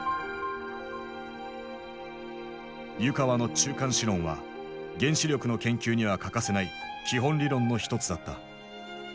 湯川の中間子論は原子力の研究には欠かせない基本理論の一つだった。